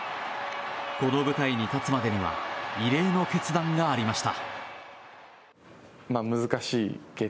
この舞台に立つまでには異例の決断がありました。